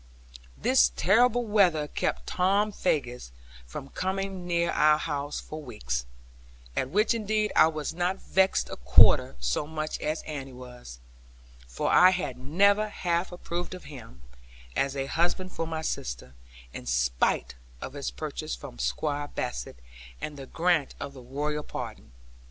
This terrible weather kept Tom Faggus from coming near our house for weeks; at which indeed I was not vexed a quarter so much as Annie was; for I had never half approved of him, as a husband for my sister; in spite of his purchase from Squire Bassett, and the grant of the Royal pardon.